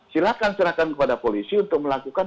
silakan silakan kepada polisi untuk melakukan